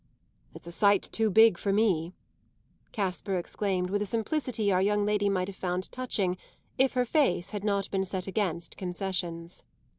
"It's a sight too big for me!" Caspar exclaimed with a simplicity our young lady might have found touching if her face had not been set against concessions.